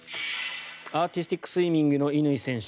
アーティスティックスイミングの乾選手。